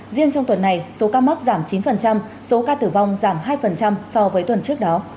riêng trong tuần này số ca mắc giảm chín số ca tử vong giảm hai so với tuần trước đó